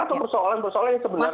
atau persoalan persoalan yang sebenarnya